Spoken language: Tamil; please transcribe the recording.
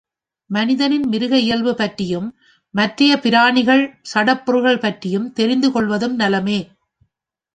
மனிதனின் மிருக இயல்பு பற்றியும், மற்றைப் பிராணிகள், சடப்பொருள்கள் பற்றியும் தெரிந்துகொள்வதும் நலமே.